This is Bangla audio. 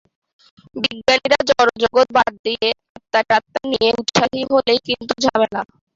বিজ্ঞানীরা জড়জগৎ বাদ দিয়ে আত্মাটাত্মা নিয়ে উৎসাহী হলেই কিন্তু ঝামেলা।